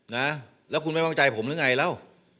นะแล้วคุณไม่วางใจผมหรือไงแล้ว